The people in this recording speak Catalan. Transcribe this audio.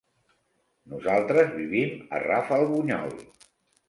Nosaltres vivim a Rafelbunyol.